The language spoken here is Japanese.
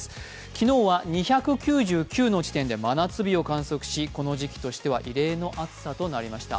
昨日は２９９の地点で真夏日を観測しこの時期としては異例の暑さとなりました。